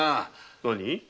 何？